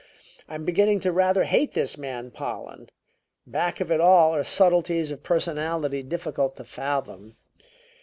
I'm beginning to rather hate this man Pollen. Back of it all are subtleties of personality difficult to fathom.